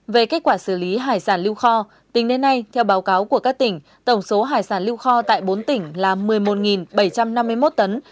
về kết quả xử lý hải sản lưu kho tính đến nay theo báo cáo của các tỉnh tổng số hải sản lưu kho tại bốn tỉnh là một mươi một bảy trăm năm mươi một tấn